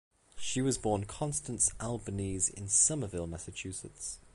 She was born Constance Albanese in Somerville, Massachusetts.